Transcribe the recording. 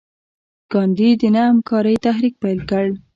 ګاندي د نه همکارۍ تحریک پیل کړ.